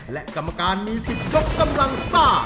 และกรรมการมี๑๐ยกกำลังซ่า